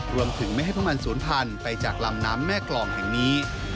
รวมถึงไม่ให้พวกมันศูนย์พันธุ์ไปจากลำน้ำแม่กลองแห่งนี้